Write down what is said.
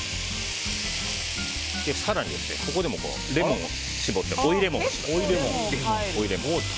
更に、ここでもレモンを搾って追いレモンをします。